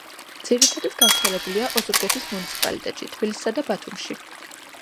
ძირითადად გავრცელებულია ოზურგეთის მუნიციპალიტეტში, თბილისსა და ბათუმში.